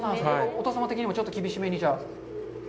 お父様的にもちょっと厳しめに？